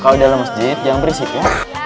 kalau di dalam masjid jangan berisik ya